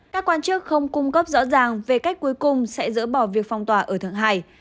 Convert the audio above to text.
các quan chức không cung cấp rõ ràng về cách cuối cùng sẽ dỡ bỏ việc phong tỏa ở thượng hải